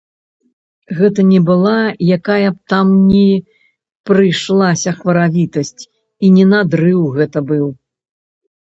Гэта не была якая б там ні прыйшлася хваравітасць і не надрыў гэта быў.